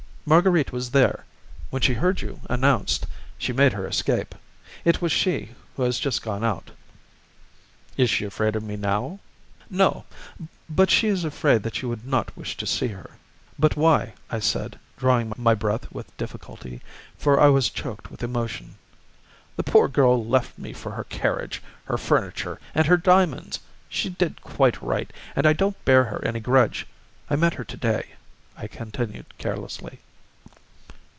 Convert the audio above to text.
Marguerite was there. When she heard you announced, she made her escape; it was she who has just gone out." "Is she afraid of me now?" "No, but she is afraid that you would not wish to see her." "But why?" I said, drawing my breath with difficulty, for I was choked with emotion. "The poor girl left me for her carriage, her furniture, and her diamonds; she did quite right, and I don't bear her any grudge. I met her to day," I continued carelessly.